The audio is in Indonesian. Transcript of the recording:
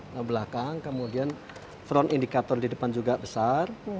lampu belakang kemudian front indicator di depan juga besar